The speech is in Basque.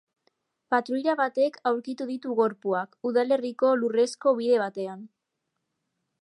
Patruila batek aurkitu ditu gorpuak, udalerriko lurrezko bide batean.